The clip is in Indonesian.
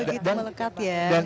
begitu melekat ya